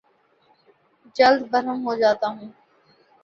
جلد برہم ہو جاتا ہوں